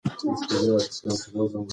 طبیعت د زغم او بل منلو یو ژوندی مثال دی.